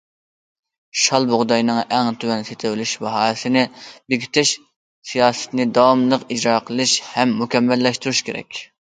شال، بۇغداينىڭ ئەڭ تۆۋەن سېتىۋېلىش باھاسىنى بېكىتىش سىياسىتىنى داۋاملىق ئىجرا قىلىش ھەم مۇكەممەللەشتۈرۈش كېرەك.